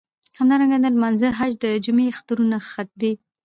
همدارنګه د لمانځه، حج، د جمعی، اخترونو خطبی.